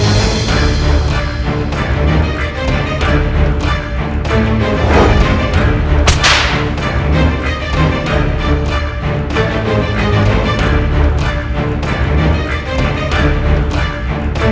tidak akan mel preis